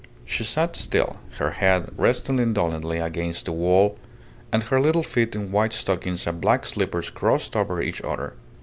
She sat still, her head resting indolently against the wall, and her little feet in white stockings and black slippers crossed over each other.